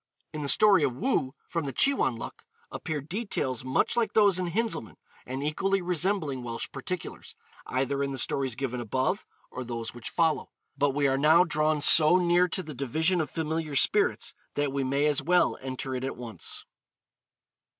In the story of Woo, from the 'Che wan luk,' appear details much like those in Hinzelmann, and equally resembling Welsh particulars, either in the stories given above, or those which follow. But we are now drawn so near to the division of Familiar Spirits that we may as well enter it at once.